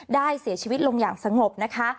เสียชีวิตลงอย่างสงบนะคะ